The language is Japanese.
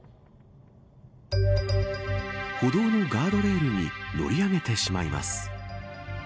歩道のガードレールに乗り上げてしまいます。